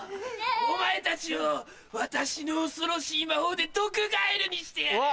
お前たちを私の恐ろしい魔法で毒ガエルにしてやる。